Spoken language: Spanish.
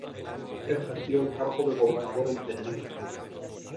Ejerció el cargo de gobernador en Tenerife.